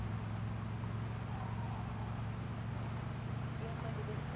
突き当たりですよ